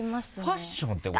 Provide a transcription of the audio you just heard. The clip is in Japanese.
ファッションってこと？